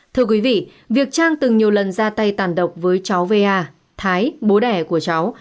thưa quý vị việc trang từng nhiều lần ra tay tàn độc với cháu va thái bố đẻ của cháu